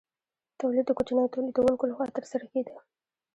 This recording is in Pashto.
تولید د کوچنیو تولیدونکو لخوا ترسره کیده.